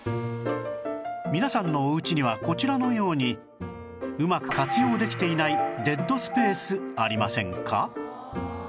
皆さんのおうちにはこちらのようにうまく活用できていないデッドスペースありませんか？